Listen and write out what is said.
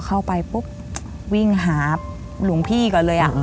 เข้าไปปุ๊บวิ่งหาหลวงพี่ก่อนเลย